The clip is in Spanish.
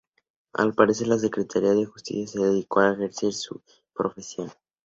Al desaparecer la Secretaría de Justicia se dedicó al ejercicio de su profesión.